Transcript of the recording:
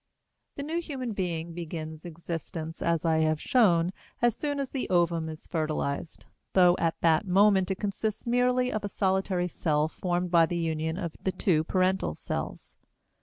The new human being begins existence, as I have shown, as soon as the ovum is fertilized, though at that moment it consists merely of a solitary cell formed by the union of the two parental cells.